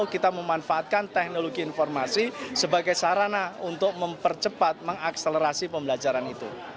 kita memanfaatkan teknologi informasi sebagai sarana untuk mempercepat mengakselerasi pembelajaran itu